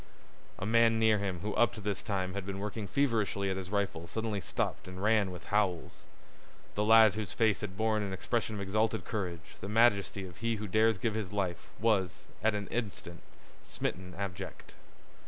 A man near him who up to this time had been working feverishly at his rifle suddenly stopped and ran with howls. A lad whose face had borne an expression of exalted courage, the majesty of he who dares give his life, was, at an instant, smitten abject.